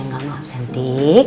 gak mau absentik